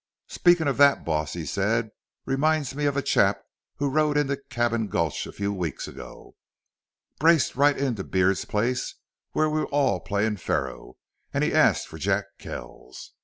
"Speakin' of that, boss," he said, "reminds me of a chap who rode into Cabin Gulch a few weeks ago. Braced right into Beard's place, where we was all playin' faro, an' he asks for Jack Kells.